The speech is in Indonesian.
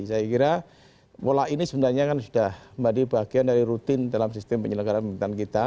saya kira pola ini sebenarnya kan sudah menjadi bagian dari rutin dalam sistem penyelenggaraan pemerintahan kita